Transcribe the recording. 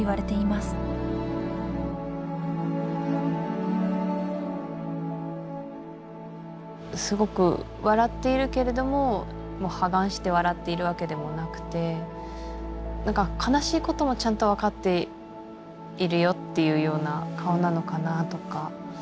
すごく笑っているけれども破顔して笑っているわけでもなくて何か悲しいこともちゃんと分かっているよっていうような顔なのかなとか。